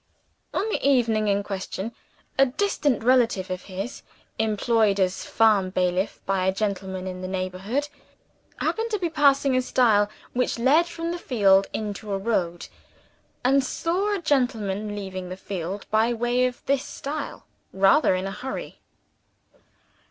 On the evening in question, a distant relative of his, employed as farm bailiff by a gentleman in the neighborhood, happened to be passing a stile which led from the field into a road, and saw a gentleman leaving the field by way of this stile, rather in a hurry.